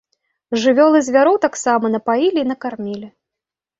Жывёл і звяроў таксама напаілі і накармілі.